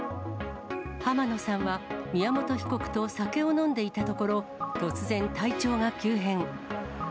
浜野さんは宮本被告と酒を飲んでいたところ、突然、体調が急変。